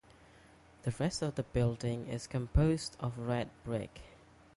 The rest of the building is composed of red brick.